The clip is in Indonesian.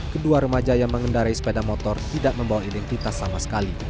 kedua remaja yang mengendarai sepeda motor tidak membawa identitas sama sekali